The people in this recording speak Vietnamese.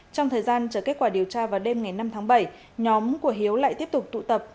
trong thời gian chờ kết quả điều tra vào đêm ngày năm tháng bảy nhóm của hiếu lại tiếp tục tụ tập